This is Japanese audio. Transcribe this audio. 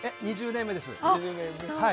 ２０年目です。